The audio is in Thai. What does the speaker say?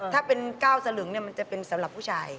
ถ้าเป็น๙สลึงมันจะเป็นสำหรับผู้ชาย